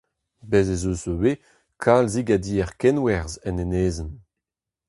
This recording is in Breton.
Bez' ez eus ivez kalzig a dier-kenwerzh en enezenn.